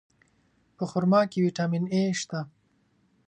په خرما کې ویټامین A شته.